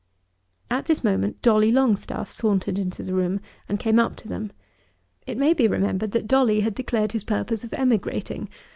At this moment Dolly Longstaff sauntered into the room and came up to them. It may be remembered that Dolly had declared his purpose of emigrating.